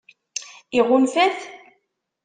Iɣunfa-t?